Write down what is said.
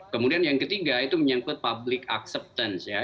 kemudian yang ketiga itu menyangkut public acceptance ya